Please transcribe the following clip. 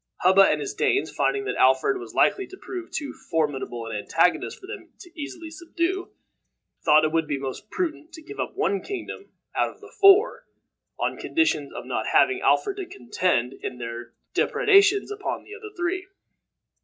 Hubba and his Danes, finding that Alfred was likely to prove too formidable an antagonist for them easily to subdue, thought it would be most prudent to give up one kingdom out of the four, on condition of not having Alfred to contend against in their depredations upon the other three.